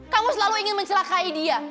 kamu selalu ingin mencelakai dia